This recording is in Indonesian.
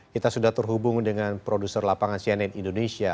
kita sudah terhubung dengan produser lapangan cnn indonesia